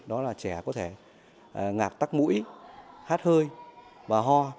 đó là trẻ có thể ngạc tắc mũi hát hơi và ho